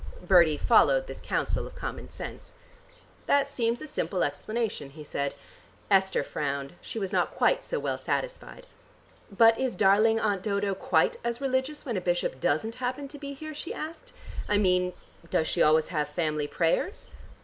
Bertie followed this counsel of commonsense. "That seems a simple explanation," he said. Esther frowned; she was not quite so well satisfied. "But is darling Aunt Dodo quite as religious when a bishop doesn't happen to be here?" she asked. "I mean does she always have family prayers?"